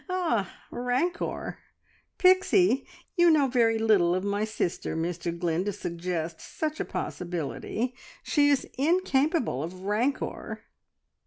"Rancour! Pixie! You know very little of my sister, Mr Glynn, to suggest such a possibility. She is incapable of rancour!"